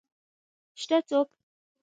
شته څوک؟